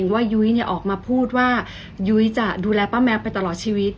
ยุ้ยออกมาพูดว่ายุ้ยจะดูแลป้าแมวไปตลอดชีวิต